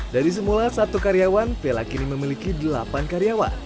dari semula satu karyawan vela kini memiliki delapan karyawan